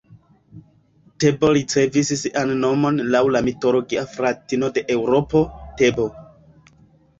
Tebo ricevis sian nomon laŭ la mitologia fratino de Eŭropo, Tebo.